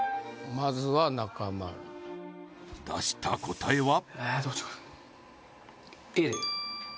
まずは中丸出した答えは？